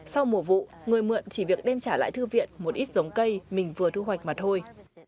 sau mùa vụ người mượn chỉ việc đem trả lại thư viện một ít giống cây mình vừa thu hoạch mà thôi